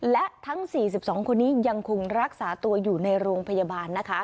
และทั้ง๔๒คนนี้ยังคงรักษาตัวอยู่ในโรงพยาบาลนะคะ